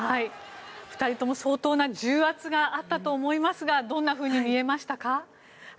２人とも相当な重圧があったと思いますがどんなふうに見えましたか？